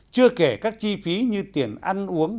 chưa kể các chi phí như tiền ăn uống